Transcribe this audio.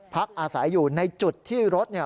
พักอาศัยอยู่ในจุดที่รถ